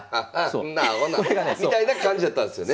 んなアホなみたいな感じやったんですよね？